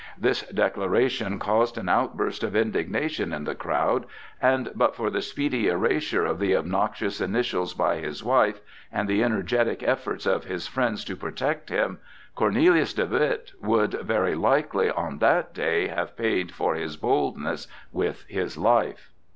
This declaration caused an outburst of indignation in the crowd, and but for the speedy erasure of the obnoxious initials by his wife, and the energetic efforts of his friends to protect him, Cornelius de Witt would very likely on that day have paid for his boldness with his life.